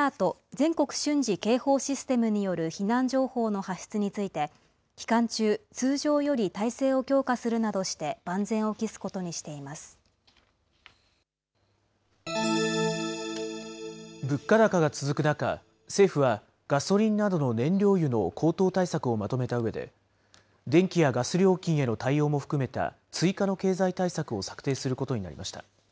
・全国瞬時警報システムによる避難情報の発出について、期間中、通常より態勢を強化するなどして万全を期物価高が続く中、政府はガソリンなどの燃料油の高騰対策をまとめたうえで、電気やガス料金への対応も含めた追加の経済対策を策定することになりました。